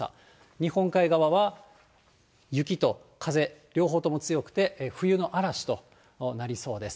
日本海側は雪と風、両方とも強くて冬の嵐となりそうです。